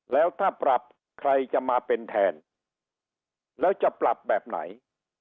แล้วถ้าปรับใครจะมาเป็นแทนแล้วจะปรับแบบไหน